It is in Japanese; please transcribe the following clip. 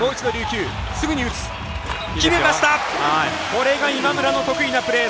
これが今村の得意なプレー。